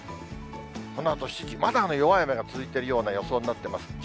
このあと７時、まだ弱い雨が続いてるような予想になってます。